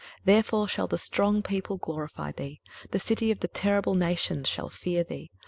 23:025:003 Therefore shall the strong people glorify thee, the city of the terrible nations shall fear thee.